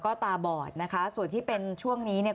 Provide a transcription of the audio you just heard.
ก็ตาบอดนะคะส่วนที่เป็นช่วงนี้เนี่ย